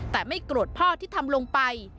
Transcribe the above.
แต่ไม่โกรธพ่อที่ทำลงไป